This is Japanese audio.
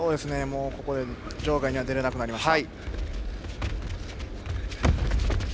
ここで場外には出られなくなりました。